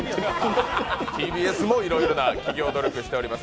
ＴＢＳもいろいろな企業努力をしております。